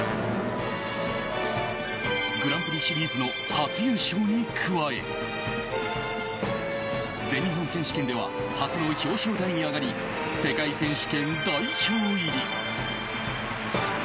グランプリシリーズの初優勝に加え全日本選手権では初の表彰台に上がり世界選手権代表入り。